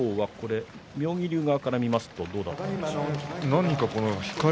妙義龍側から見ますとどうなんですか。